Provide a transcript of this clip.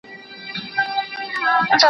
هم یې پښې هم یې لاسونه رېږېدله